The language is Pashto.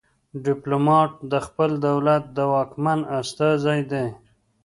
ډیپلومات د خپل دولت د واکمن استازی دی